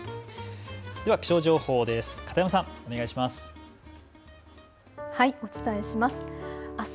では気象情報です。